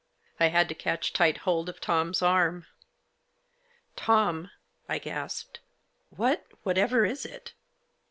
I had to catch tight hold of Tom's arm. " Tom," I gasped, " what — whatever is it